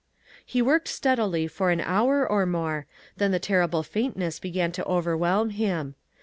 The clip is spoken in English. He worked steadily for an hour or more, then the terrible faintness began to over whelm him.